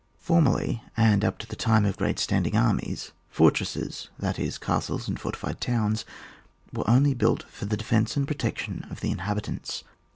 FoRMERLT, and up to the time of great standing armies, fortresses, that is castles and fortified towns, were only built for the defence and protection of the inhabitants.